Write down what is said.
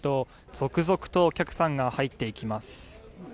続々とお客さんが入っていきます。